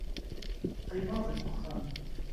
qqimeɣ deg uxxam